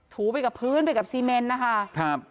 ถูไปกับพื้นไปกับซีเมนต์นะคะ